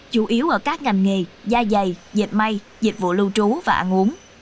chủ yếu ở các ngành nghề gia dày dịch may dịch vụ lưu trú và ăn uống